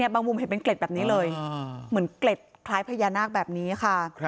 มุมเห็นเป็นเกล็ดแบบนี้เลยเหมือนเกล็ดคล้ายพญานาคแบบนี้ค่ะ